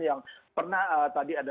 yang pernah tadi ada